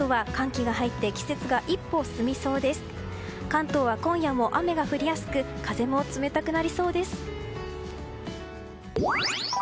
関東は今夜も雨が降りやすく風も冷たくなりそうです。